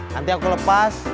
nanti aku lepas